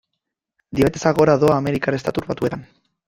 Diabetesa gora doa Amerikar Estatu Batuetan.